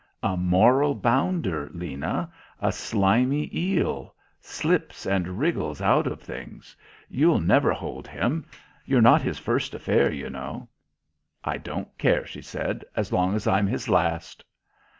"A moral bounder, Lena. A slimy eel. Slips and wriggles out of things. You'll never hold him. You're not his first affair, you know." "I don't care," she said, "as long as I'm his last."